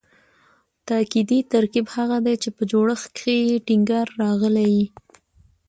تاکیدي ترکیب هغه دﺉ، چي په جوړښت کښي ئې ټینګار راغلی یي.